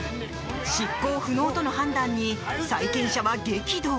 執行不能との判断に債権者は激怒。